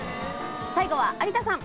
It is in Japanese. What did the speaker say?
最後は有田さん。